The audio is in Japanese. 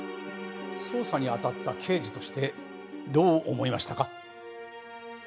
捜査に当たった刑事としてどう思いましたか？